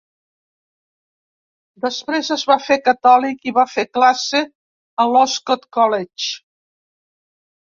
Després es va fer catòlic i va fer classe a l'Oscott College.